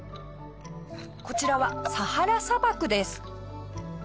こちらはサハラ砂漠です。